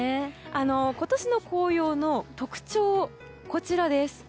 今年の紅葉の特徴こちらです。